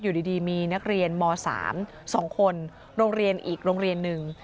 อยู่ดีมีนักเรียนม๓๒คนโรงเรียนอีกโรงเรียนหนึ่ง